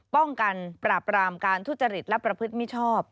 ป้องกันปราบรามการทุจริตและประพฤติมิชชอบ